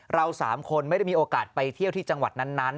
เรา๓คนไม่ได้มีโอกาสไปเที่ยวที่จังหวัดนั้น